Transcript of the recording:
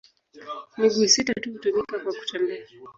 Miguu sita tu hutumika kwa kutembea.